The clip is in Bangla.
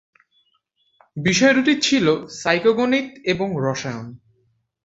বিষয় দুটি ছিল ছিল সাইকো-গণিত এবং রসায়ন।